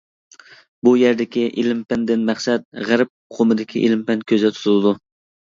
بۇ يەردىكى «ئىلىم-پەن» دىن مەقسەت غەرب ئۇقۇمىدىكى ئىلىم-پەن كۆزدە تۇتۇلىدۇ.